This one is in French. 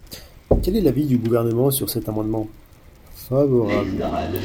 Quel est l’avis du Gouvernement sur cet amendement ? Favorable.